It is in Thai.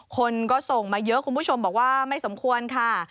คนก็ส่งมาเยอะคุณผู้ชมบอกว่าไม่สมควรค่ะ